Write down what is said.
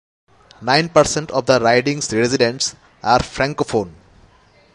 Nine percent of the riding's residents are francophone.